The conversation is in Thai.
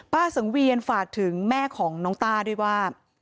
สังเวียนฝากถึงแม่ของน้องต้าด้วยว่า